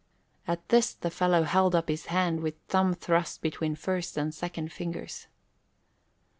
At this the fellow held up his hand with thumb thrust between first and second fingers.